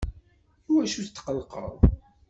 Iwacu tetqllqeḍ?